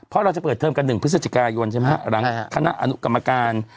เพราะเราจะเปิดเทอมกัน๑พฤศจิกายนใช่ไหมฮะหลังคณะอนุกรรมการ